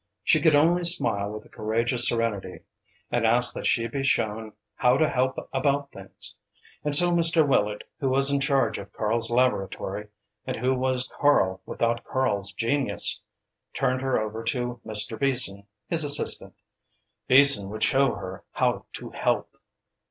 She could only smile with a courageous serenity, and ask that she be shown how to help about things. And so Mr. Willard, who was in charge of Karl's laboratory, and who was Karl without Karl's genius, turned her over to Mr. Beason, his assistant. Beason would show her how to "help."